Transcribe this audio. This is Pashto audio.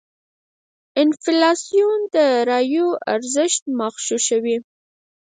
انفلاسیون داراییو ارزش مغشوشوي.